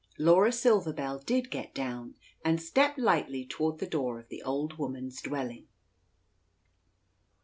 Laura Silver Bell did get down, and stepped lightly toward the door of the old woman's dwelling.